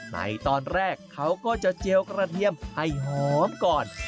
ในตอนแรกเขาก็จะเจียวกระเทียมให้หอมก่อน